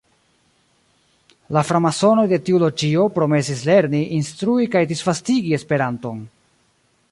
La framasonoj de tiu loĝio promesis lerni, instrui kaj disvastigi Esperanton.